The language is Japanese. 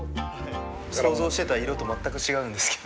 想像してた色と全く違うんですけど。